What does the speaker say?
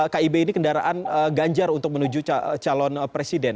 kib ini kendaraan ganjar untuk menuju calon presiden